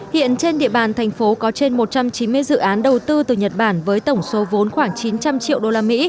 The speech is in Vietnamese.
hiện trên địa bàn thành phố có trên một trăm chín mươi dự án đầu tư từ nhật bản với tổng số vốn khoảng chín trăm linh triệu usd